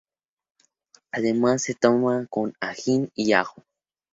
Además se toma con ají y ajo.